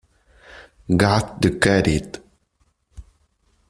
Got to Get It!